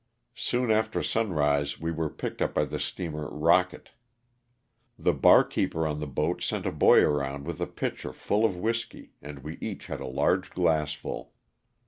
Soon after sunrise we were picked up by the steamer "Rocket." The barkeeper on the boat sent a boy around with a pitcher full of whiskey and we each had a large glassful.